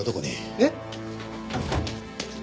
えっ？